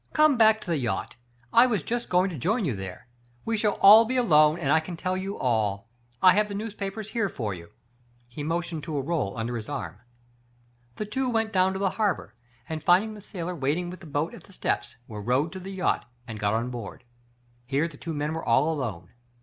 Come back to the yacht. I was just going to join you there. We shall be all alone, Digitized by Google 114 THE FATE OF FENELLA. and I can tell you all. I have the newspapers here for you." He motioned to a roll under his arm. The two went down to the harbor, and find ing the sailor waiting with the boat at the steps, were rowed to the yacht and got on board. Here the two men were all alone.